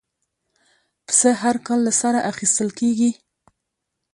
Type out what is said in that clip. پسه هر کال له سره اخېستل کېږي.